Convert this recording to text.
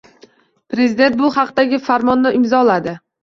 Prezident bu haqdagi farmonni imzoladi.